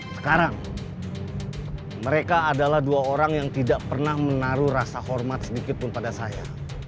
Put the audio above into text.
sekarang mereka adalah dua orang yang tidak pernah menaruh rasa hormat sedikitpun pada saya